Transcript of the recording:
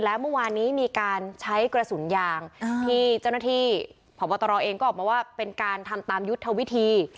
แล้วเมื่อวานนี้มีการใช้กระสุนยางที่เจ้าหน้าที่พบตรเองก็ออกมาว่าเป็นการทำตามยุทธวิธี